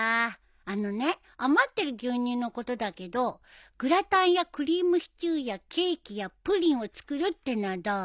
あのね余ってる牛乳のことだけどグラタンやクリームシチューやケーキやプリンを作るってのはどう？